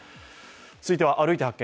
続いては「歩いて発見！